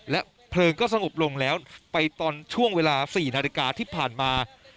เพลิงก็สงบลงแล้วไปตอนช่วงเวลา๔นาฬิกาที่ผ่านมา